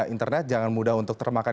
internet jangan mudah untuk termakan